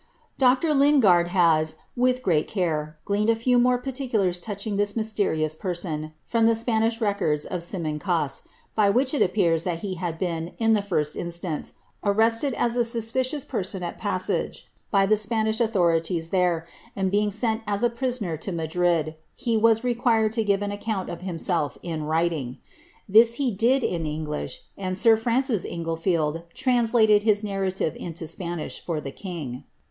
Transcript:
' Dr. Lingard has, with great care, gleaned a few more particalar^ touching this mysterious person, from the Spanish records of Siman^^.' by which it appears tliat he had been, in the first instance, arrested as a suspicious person at Pasage, by the Spanish authorities there, and being sent as a prisoner to Madrid, he was lequired lo give an account of him self in writing. This he did in English, and air Francis Englelield irsiis ialed his narrative into Spanish for tiie king.